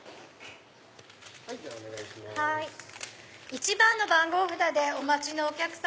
１番の番号札でお待ちのお客様。